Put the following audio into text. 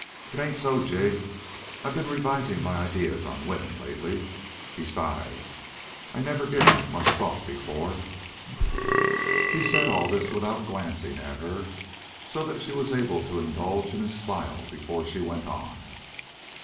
"It ain't so, Jig. I been revising my ideas on women lately. Besides, I never give 'em much thought before." He said all this without glancing at her, so that she was able to indulge in a smile before she went on.